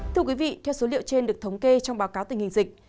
thưa quý vị theo số liệu trên được thống kê trong báo cáo tình hình dịch